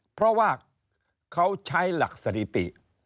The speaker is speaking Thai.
เพราะว่าเขาใช้หลักสถิติ